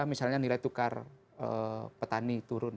misalnya nilai tukar petani turun